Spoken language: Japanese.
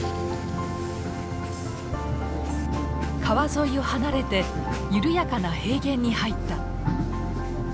川沿いを離れて緩やかな平原に入った。